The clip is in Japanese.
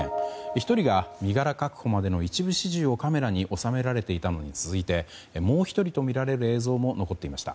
１人が身柄確保までの一部始終をカメラに収められていたのに続いてもう１人とみられる映像も残っていました。